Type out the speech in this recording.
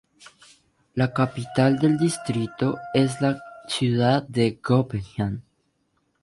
La capital del distrito es la ciudad de Göppingen.